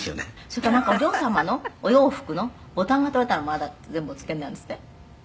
「それからなんかお嬢様のお洋服のボタンが取れたらあなた全部お付けになるんですって？」